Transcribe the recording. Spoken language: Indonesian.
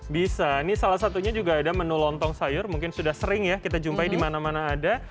bisa ini salah satunya juga ada menu lontong sayur mungkin sudah sering ya kita jumpai di mana mana ada